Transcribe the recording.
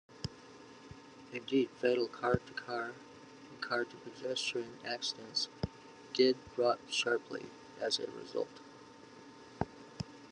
Indeed, fatal car-to-car and car-to-pedestrian accidents did drop sharply as a result.